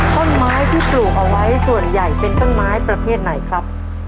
ต้นไม้ที่ปลูกเอาไว้ส่วนใหญ่เป็นต้นไม้ประเภทไหนครับ